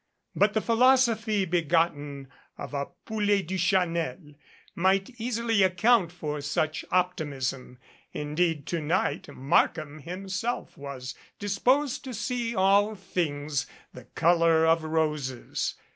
But the philosophy begotten of a poulet Duchanel might easily account for such optimism. Indeed to night Markham himself was disposed to see all things the color of roses.